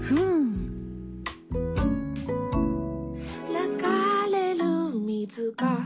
「ながれるみずが」